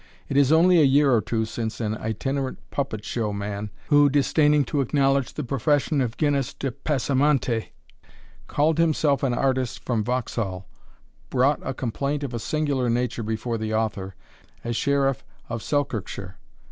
It is only a year or two since an itinerant puppet show man, who, disdaining to acknowledge the profession of Gines de Passamonte, called himself an artist from Vauxhall, brought a complaint of a singular nature before the author, as Sheriff of Selkirkshire.